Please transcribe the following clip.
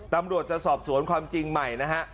ตำรวจจะสอบสวนความจริงใหม่นะฮะ